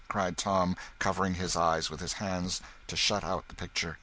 cried Tom, covering his eyes with his hands to shut out the picture.